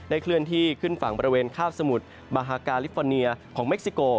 เคลื่อนที่ขึ้นฝั่งบริเวณคาบสมุทรบาฮากาลิฟอร์เนียของเม็กซิโก